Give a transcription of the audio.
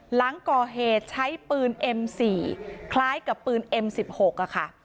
หลังก่อเหตุใช้ปืนเอ็มสี่คล้ายกับปืนเอ็มสิบหกอ่ะค่ะ